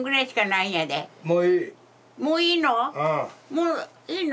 もういいの？